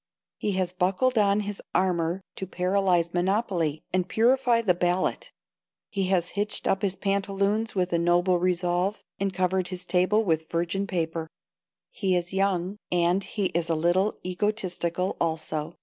He has buckled on his armor to paralyze monopoly and purify the ballot He has hitched up his pantaloons with a noble resolve and covered his table with virgin paper. He is young, and he is a little egotistical, also.